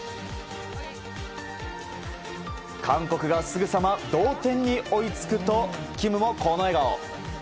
韓国がすぐさま同点に追いつくとキムもこの笑顔。